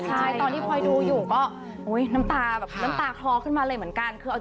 ตอนที่พลอยดูอยู่ก็น้ำตาคลอขึ้นมาเลยเหมือนกัน